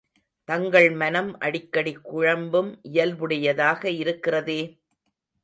தங்கள் மனம் அடிக்கடி குழம்பும் இயல்புடையதாக இருக்கிறதே?